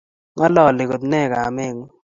Ng'ololi koot nee kameng'ung'?